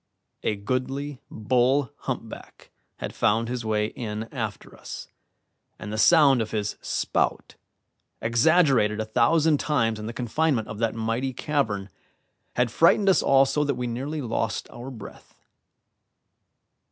A goodly bull humpback had found his way in after us, and the sound of his spout, exaggerated a thousand times in the confinement of that mighty cavern, had frightened us all so that we nearly lost our breath.